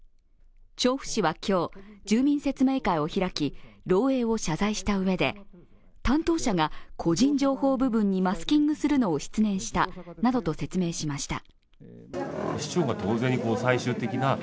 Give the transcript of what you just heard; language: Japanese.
調布市は今日、住民説明会を開き、漏えいを謝罪したうえで担当者が個人情報部分にマスキングするのを失念したなどと説明しました。